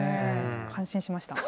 感心しました。